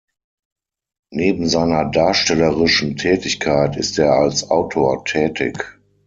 Neben seiner darstellerischen Tätigkeit ist er als Autor tätig.